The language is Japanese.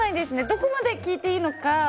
どこまで聞いていいのか。